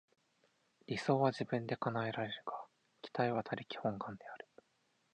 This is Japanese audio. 理想は自分で叶えられるが、期待は他力本願である。